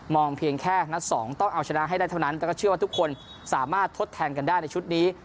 เพียงแค่นัดสองต้องเอาชนะให้ได้เท่านั้นแล้วก็เชื่อว่าทุกคนสามารถทดแทนกันได้ในชุดนี้